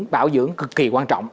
bảo dưỡng cực kỳ quan trọng